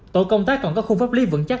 tổ công tác còn có khu pháp lý vững chắc